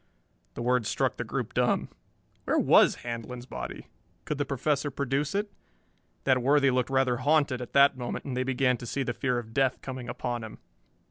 The words struck the group dumb. Where was Handlon's body? Could the Professor produce it? That worthy looked rather haunted at that moment, and they began to see the fear of death coming upon him.